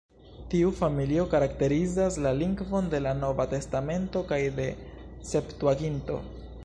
Tiu familio karakterizas la lingvon de la Nova Testamento kaj de Septuaginto.